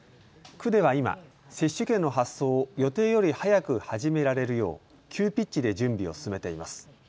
区では今、接種券の発送を予定より早く始められるよう急ピッチで準備を進めています。